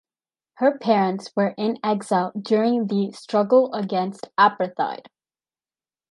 Her parents were in exile during the struggle against apartheid.